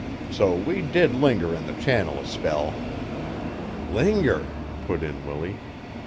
So we did linger in the channel a spell." "Linger!" put in Willie.